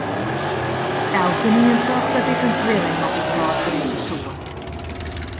Elkenien tocht dat ik in twilling op 'e wrâld bringe soe.